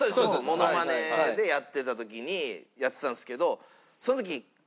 モノマネでやってた時にやってたんですけどその時一茂さんは。